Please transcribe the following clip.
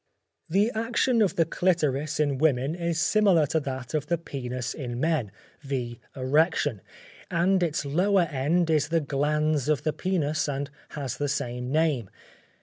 The action of the clitoris in women is similar to that of the penis in men, viz., erection; and its lower end is the glans of the penis, and has the same name.